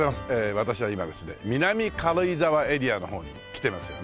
私は今ですね南軽井沢エリアの方に来てますよね。